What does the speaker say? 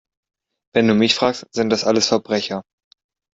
Wenn du mich fragst, sind das alles Verbrecher!